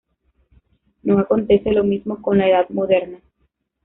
No acontece lo mismo con la edad moderna.